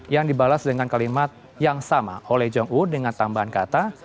yang dibalas dengan kalimat yang sama oleh jong u dengan tambahan kata